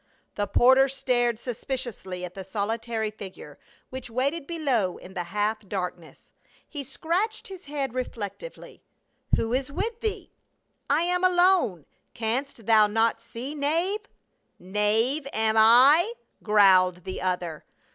The porter stared suspiciously at the solitary figure, which waited below in the half darkness. He scratched his head reflectively. "Who is with thee?" " I am alone ; canst thou not see, knave ?"" Knave, am I ?" growled the other.